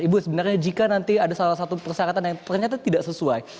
ibu sebenarnya jika nanti ada salah satu persyaratan yang ternyata tidak sesuai